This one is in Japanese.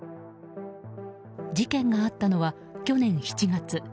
事件があったのは去年７月。